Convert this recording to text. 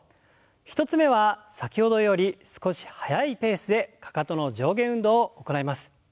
１つ目は先ほどより少し速いペースでかかとの上下運動を行います。